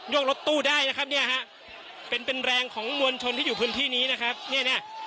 กรถตู้ได้นะครับเนี่ยฮะเป็นเป็นแรงของมวลชนที่อยู่พื้นที่นี้นะครับเนี่ย